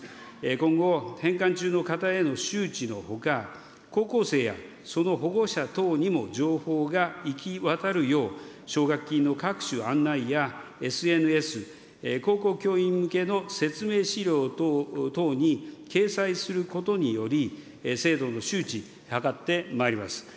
今後、返還中の方への周知のほか、高校生やその保護者等にも情報が行き渡るよう、奨学金の各種案内やＳＮＳ、高校教員向けの説明資料等に掲載することにより、制度の周知、図ってまいります。